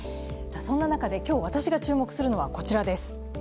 そんな中で今日、私が注目するのはこちらです。